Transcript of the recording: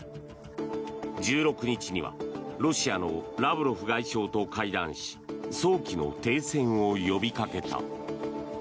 １６日にはロシアのラブロフ外相と会談し早期の停戦を呼びかけた。